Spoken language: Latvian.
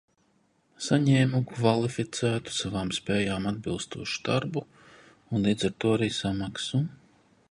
Saņēmu kvalificētu, savām spējām atbilstošu darbu un līdz ar to arī samaksu.